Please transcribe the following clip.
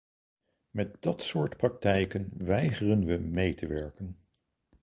Met dat soort praktijken weigeren we mee te werken.